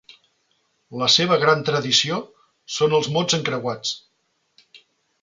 La seva gran tradició són els mots encreuats.